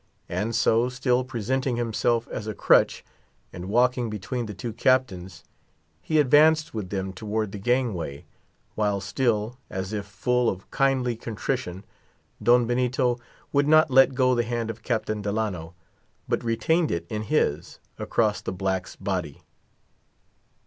And so, still presenting himself as a crutch, and walking between the two captains, he advanced with them towards the gangway; while still, as if full of kindly contrition, Don Benito would not let go the hand of Captain Delano, but retained it in his, across the black's body.